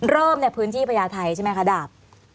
เริ่มในพื้นที่พญาไทยใช่ไหมคะดาบ